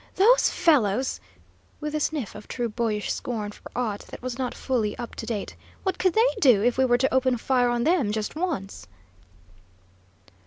"Those fellows!" with a sniff of true boyish scorn for aught that was not fully up to date. "What could they do, if we were to open fire on them just once?"